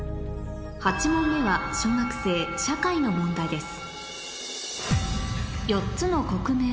８問目は小学生社会の問題です